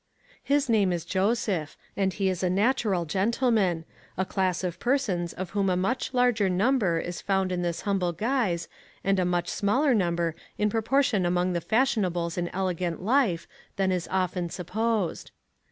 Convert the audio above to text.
His name is Joseph, and he is a natural gentleman a class of persons of whom a much larger number is found in this humble guise, and a much smaller number in proportion among the fashionables in elegant life, than is often supposed.